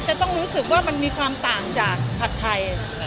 จะต้องรู้สึกว่ามันมีความต่างจากผัดไทย